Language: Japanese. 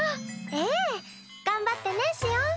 ええ頑張ってねシオン。